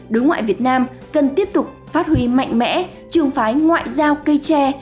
đối ngoại việt nam cần tiếp tục phát huy mạnh mẽ trường phái ngoại giao cây tre